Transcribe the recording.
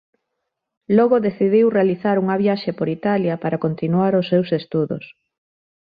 Logo decidiu realizar unha viaxe por Italia para continuar os seus estudos.